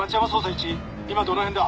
１今どの辺だ。